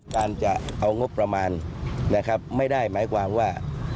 การจะเอางบประมาณนะครับไม่ได้หมายความว่า